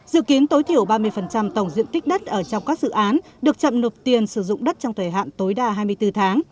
dự kiến tối thiểu ba mươi tổng diện tích đất ở trong các dự án được chậm nộp tiền sử dụng đất trong thời hạn tối đa hai mươi bốn tháng